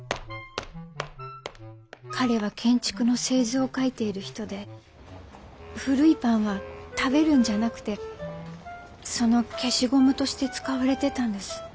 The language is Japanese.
彼は建築の製図を描いている人で古いパンは食べるんじゃなくてその消しゴムとして使われてたんです。